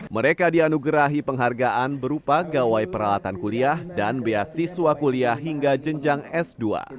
mereka dianugerahi penghargaan berupa gawai peralatan kuliah dan beasiswa kuliah hingga jenjang s dua